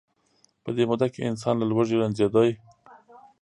په دې موده کې انسان له لوږې رنځیده.